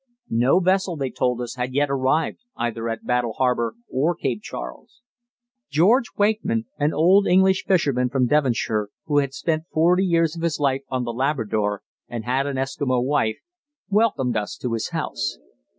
No vessel, they told us, had yet arrived either at Battle Harbour or Cape Charles. George Wakeham, an old English fisherman from Devonshire, who had spent forty years of his life on The Labrador and had an Eskimo wife, welcomed us to his house.